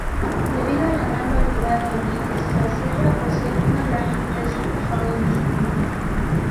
Debido a la gran variedad de ambientes la sierra posee una gran riqueza faunística.